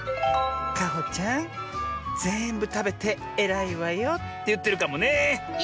「かほちゃんぜんぶたべてえらいわよ」っていってるかもね！